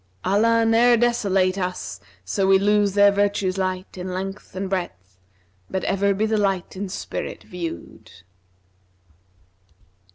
Allah ne'er desolate us so we lose their virtues' light * In length and breadth, but ever be the light in spirit viewed!'